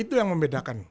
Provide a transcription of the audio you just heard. itu yang membedakan